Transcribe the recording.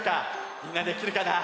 みんなできるかな？